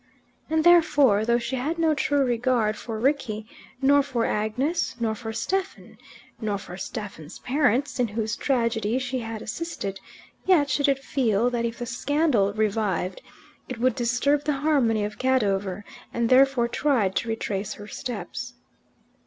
And therefore, though she had no true regard for Rickie, nor for Agnes, nor for Stephen, nor for Stephen's parents, in whose tragedy she had assisted, yet she did feel that if the scandal revived it would disturb the harmony of Cadover, and therefore tried to retrace her steps.